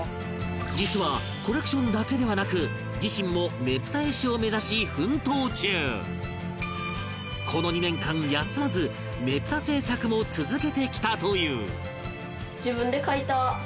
実はコレクションだけではなく自身もこの２年間休まずねぷた制作も続けてきたという